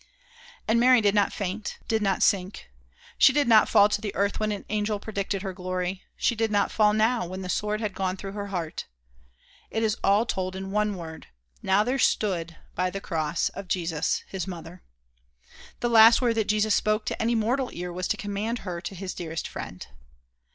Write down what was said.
And Mary did not faint did not sink. She did not fall to the earth when an angel predicted her glory; she did not fall now, when the sword had gone through her heart. It is all told in one word, "Now there stood by the cross of Jesus his mother." The last word that Jesus spoke to any mortal ear was to commend her to his dearest friend.